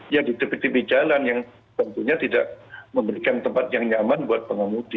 ya di tepi tepi jalan yang tentunya tidak memberikan tempat yang nyaman buat pengemudi